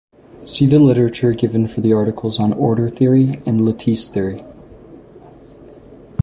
See the literature given for the articles on order theory and lattice theory.